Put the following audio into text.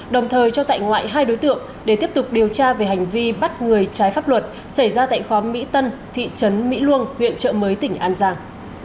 đồng thời cho tại ngoại hai đối tượng để tiếp tục điều tra về hành vi bắt người trái pháp luật xảy ra tại khóm mỹ tân thị trấn mỹ luông huyện trợ mới tỉnh an giang